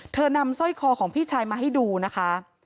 นำสร้อยคอของพี่ชายมาให้ดูนะคะ